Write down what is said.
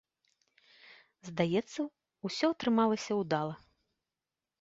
Здаецца, усё атрымалася ўдала.